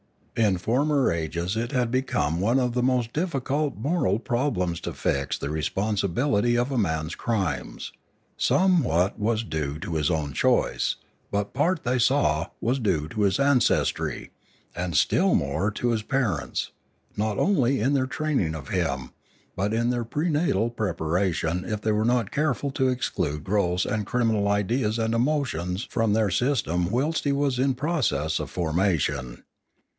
In former ages it had been one of the most difficult moral problems to fix the responsibility of a man's crimes; somewhat was due to his own choice; but part, they saw, was due to his ancestry, and still more to his parents, not only in their training of him, but in their prenatal preparation if they were not careful to exclude gross or criminal ideas and emotions from their systems whilst he was in process of formation.